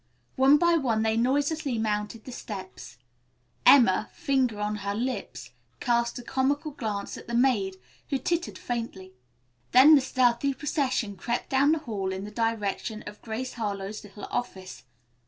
One by one they noiselessly mounted the steps. Emma, finger on her lips, cast a comical glance at the maid, who tittered faintly; then the stealthy procession crept down the hall in the direction of Grace Harlowe's little office.